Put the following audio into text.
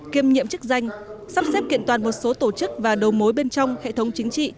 kiêm nhiệm chức danh sắp xếp kiện toàn một số tổ chức và đầu mối bên trong hệ thống chính trị